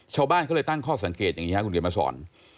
ชาวบ้านก็เลยตั้งข้อสังเกตอย่างนี้คุณเกรียร์มาสอน